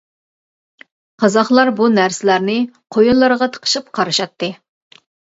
قازاقلار بۇ نەرسىلەرنى قويۇنلىرىغا تىقىشىپ قارىشاتتى.